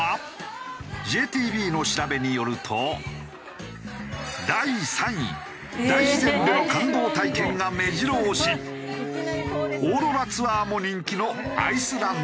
ＪＴＢの調べによると第３位大自然での感動体験が目白押しオーロラツアーも人気のアイスランド。